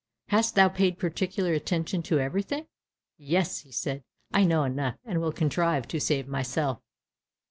"Hast thou paid particular attention to everything?" "Yes," said he, "I know enough, and will contrive to save myself."